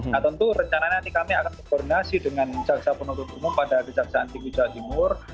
nah tentu rencananya nanti kami akan berkoordinasi dengan jaksa penonton umum pada jaksa anti kisah timur